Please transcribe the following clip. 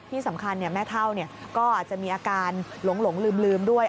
ที่สำคัญแม่เท่าก็อาจจะมีอาการหลงลืมด้วย